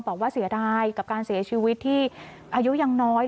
บอกว่าเสียดายกับการเสียชีวิตที่อายุยังน้อย